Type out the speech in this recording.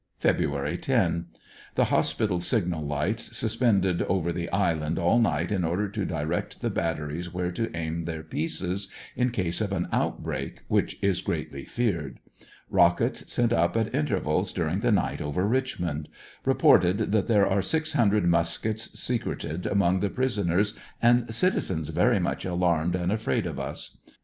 Feb. 10. — The hospital signal lights suspended over the island all night in order to direct the batteries where to aim their pieces in case of an outbreak which is greatly feared. Rockets sent up at intervals during the night over Richmond. Reported that there are six hundred muskets secreted among the prisoners and citizens very much alarmed and afraid of us.